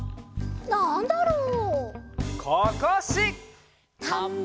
「なんだろう？